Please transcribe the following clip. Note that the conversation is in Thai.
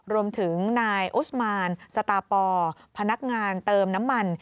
รวมถึงนายอุสมานสตาปอร์พนักงานเติมน้ำมัน